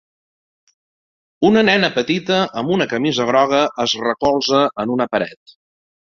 Una nena petita amb una camisa groga es recolza en una pared.